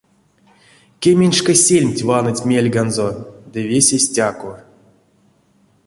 Кеменьшка сельмть ваныть мельганзо — ды весе стяко.